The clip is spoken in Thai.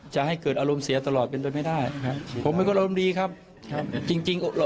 จากสำนวน